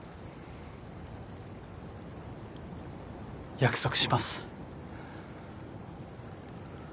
約束します。